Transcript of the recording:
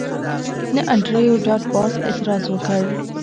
نه انډریو ډاټ باس اعتراض وکړ